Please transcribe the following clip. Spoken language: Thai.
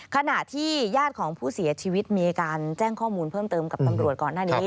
ขณะที่ญาติของผู้เสียชีวิตมีการแจ้งข้อมูลเพิ่มเติมกับตำรวจก่อนหน้านี้